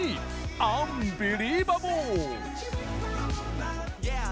アンビリーバボー！